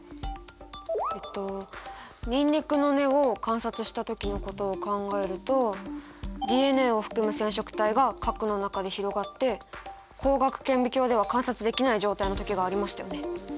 えっとニンニクの根を観察した時のことを考えるとＤＮＡを含む染色体が核の中で広がって光学顕微鏡では観察できない状態の時がありましたよね。